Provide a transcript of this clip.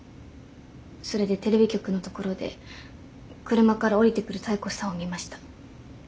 それでテレビ局の所で車から降りてくる妙子さんを見ました。